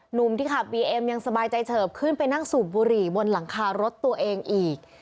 หนุ่มที่ขับบีเอ็มยังสบายใจเฉิบขึ้นไปนั่งสูบบุหรี่บนหลังคารถตัวเองอีก